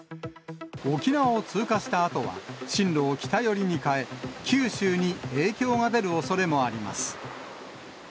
沖縄を通過したあとは、進路を北寄りに変え、九州に影響が出るおそれもあります。